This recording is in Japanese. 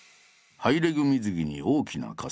ハイレグ水着に大きな傘。